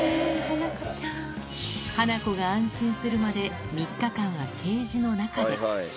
ハナコが安心するまで３日間はケージの中で。